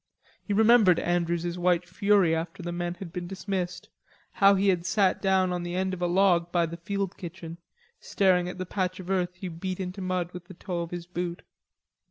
He remembered Andrews's white fury after the men had been dismissed, how he had sat down on the end of a log by the field kitchen, staring at the patch of earth he beat into mud with the toe of his boot.